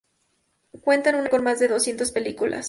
Cuenta en su haber con más de Doscientas películas.